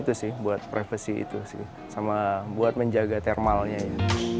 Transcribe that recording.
itu sih buat privasi itu sih sama buat menjaga thermalnya ya